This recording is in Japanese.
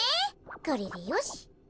これでよし。